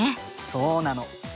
そうなの！